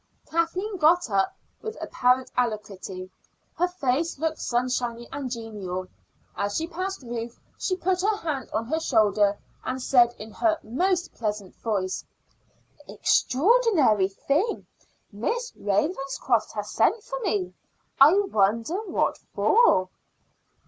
Kathleen got up with apparent alacrity. Her face looked sunshiny and genial. As she passed Ruth she put her hand on her shoulder and said in her most pleasant voice: "Extraordinary thing; Miss Ravenscroft has sent for me. I wonder what for."